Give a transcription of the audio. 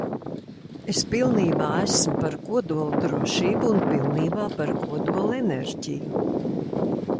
Es pilnībā esmu par kodoldrošību un pilnībā par kodolenerģiju.